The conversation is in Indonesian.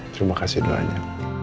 terima kasih doanya